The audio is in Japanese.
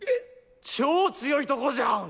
超強いとこじゃん！